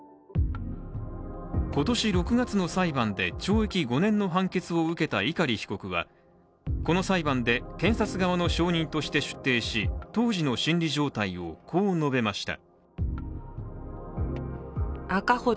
今年６月の裁判で懲役５年の判決を受けた碇被告はこの裁判で検察側の証人として出廷し、当時の心理状態をこう述べました。